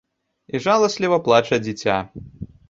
І жаласліва плача дзіця.